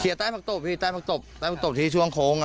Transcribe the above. เคลียร์ตั้งผักตบปีดต้ำตอบตั้งประตูน้ำผลิตที่ช่วงโค้ง